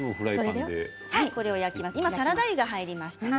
今サラダ油が入りましたね。